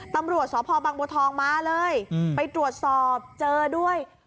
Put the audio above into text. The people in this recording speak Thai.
ตำรวจสพบังบัวทองมาเลยไปตรวจสอบเจอด้วย